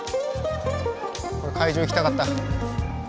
会場行きたかった。